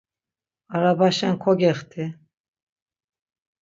Arabaşen kogexti.